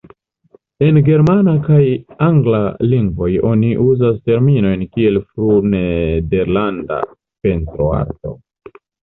En germana kaj angla lingvoj oni uzas terminojn kiel "fru-nederlanda pentroarto".